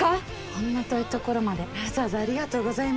こんな遠い所までわざわざありがとうございます。